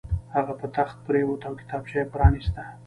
هغه په تخت پرېوت او کتابچه یې پرانیسته